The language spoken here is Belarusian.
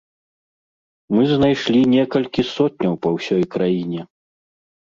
Мы знайшлі некалькі сотняў па ўсёй краіне!